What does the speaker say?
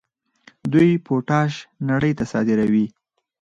دوی پوټاش نړۍ ته صادروي.